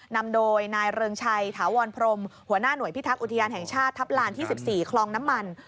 นำโดยนายเริงชัยถาวรพรมหัวหน้าหน่วยพิทักษ์อุทยานแห่งชาติทัพลานที่๑๔คลองน้ำมัน